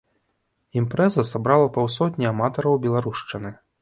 Імпрэза сабрала паўсотні аматараў беларушчыны.